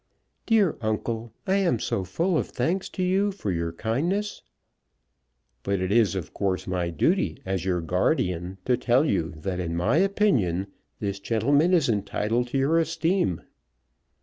"Dear uncle, I am so full of thanks to you for your kindness." "But it is of course my duty as your guardian to tell you that in my opinion this gentleman is entitled to your esteem."